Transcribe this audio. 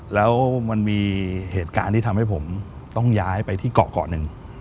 แล้วมันมีเหตุการณ์ที่ทำให้ผมต้องย้ายไปที่เกาะเกาะหนึ่ง